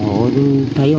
họ đi thấy hả